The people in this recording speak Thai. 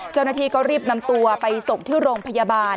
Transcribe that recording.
เจ้าหน้าที่ก็รีบนำตัวไปส่งที่โรงพยาบาล